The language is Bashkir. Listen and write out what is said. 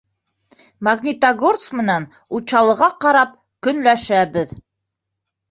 Магнитогорск менән Учалыға ҡарап көнләшәбеҙ.